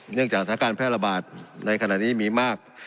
จากสถานการณ์แพร่ระบาดในขณะนี้มีมาก